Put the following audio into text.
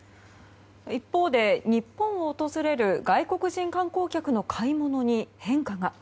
一方で、日本を訪れる外国人観光客の買い物に変化が。